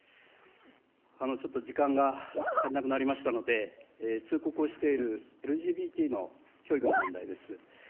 ちょっと時間が足りなくなりましたので、通告をしているＬＧＢＴの教育の問題です。